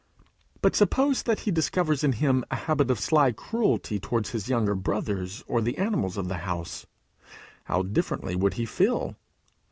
But suppose that he discovered in him a habit of sly cruelty towards his younger brothers, or the animals of the house, how differently would he feel!